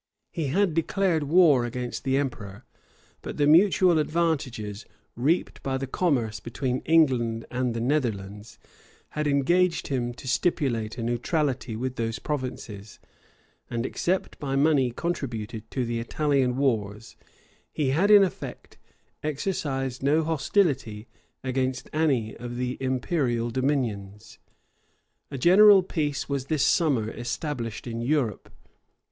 He had declared war against the emperor; but the mutual advantages reaped by the commerce between England and the Netherlands, had engaged him to stipulate a neutrality with those provinces; and, except by money contributed to the Italian wars, he had in effect exercised no hostility against any of the imperial dominions. A general peace was this summer established in Europe.